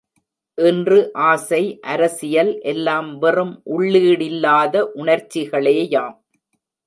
இன்று ஆசை, அரசியல் எல்லாம் வெறும் உள்ளீடில்லாத உணர்ச்சிகளேயாம்.